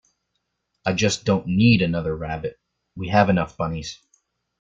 I just don't need another rabbit. We have enough bunnies.